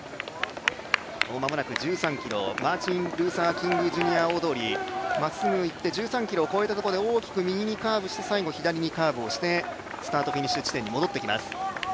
間もなく１３ｋｍ、マーティン・ルーサー・キング・ジュニア大通りまっすぐ行って１３ｋｍのところで最後、左にカーブをしてスタートフィニッシュ地点に戻ってきます。